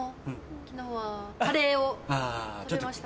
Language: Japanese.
昨日はカレーを食べました。